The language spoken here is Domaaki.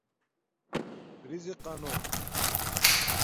رزِقانو